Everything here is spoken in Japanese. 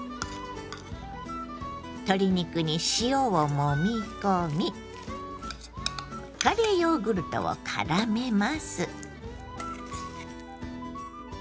鶏肉に塩をもみ込みカレーヨーグルトをからめます。